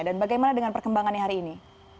bagaimana dengan perkembangannya hari ini